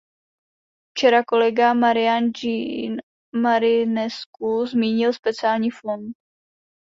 Včera kolega Marian-Jean Marinescu zmínil speciální fond.